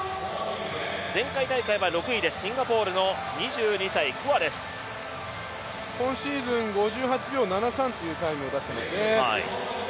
前回大会は６位でシンガポールの今シーズン５８秒７３のタイム出していますね。